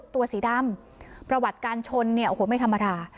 ตัวสีดำประวัติการชนเนี่ยโอ้โหไม่ธรรมดา